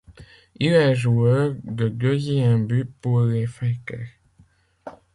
Il est joueur de deuxième but pour les Fighters.